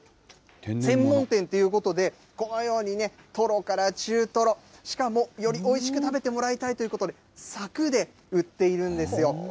専門店ということで、このようにね、トロから中トロ、しかもよりおいしく食べてもらいたいということで、柵で売っているんですよ。